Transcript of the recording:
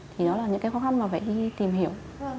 thì đó là những cái khó khăn mà phải tìm hiểu